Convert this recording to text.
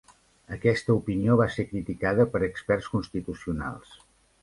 Aquesta opinió va ser criticada per experts constitucionals.